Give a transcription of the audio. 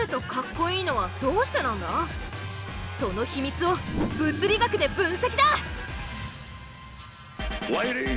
その秘密を物理学で分析だ！